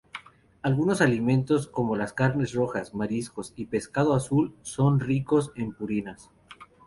Algunos alimentos como las carnes rojas, mariscos y pescado azul son ricos en purinas.